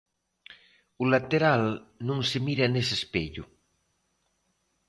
O lateral non se mira nese espello.